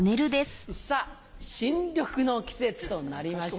さぁ新緑の季節となりました。